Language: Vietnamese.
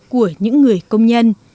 của những người công nhân